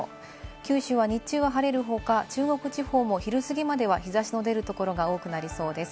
九州は、日中は晴れるほか、中国地方も昼すぎまでは日差しの出るところが多くなりそうです。